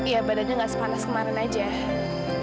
ya badannya nggak sepanas kemarin aja